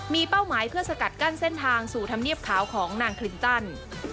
มีเป้าหมายเพื่อสกัดกั้นเส้นทางสู่ธรรมเนียบขาวของนางคลินตัน